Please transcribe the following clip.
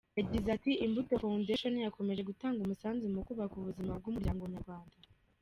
Yagize ati “Imbuto Foundation yakomeje gutanga umusanzu mu kubaka ubuzima bw’umuryango Nyarwanda.